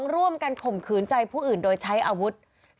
ร่วมกันข่มขืนใจผู้อื่นโดยใช้อาวุธ